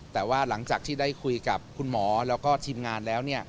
แต่ว่าหลังจากที่ได้คุยกับคุณหมอแล้วก็ทีมงานแล้ว